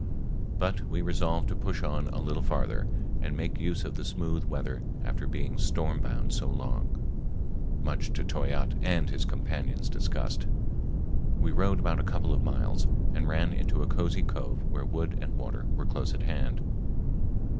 But we resolved to push on a little farther and make use of the smooth weather after being stormbound so long, much to Toyatte and his companion's disgust. We rowed about a couple of miles and ran into a cozy cove where wood and water were close at hand.